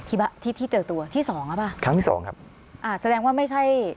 ที่ที่เจอตัวที่สองหรือเปล่าครั้งที่สองครับอ่าแสดงว่าไม่ใช่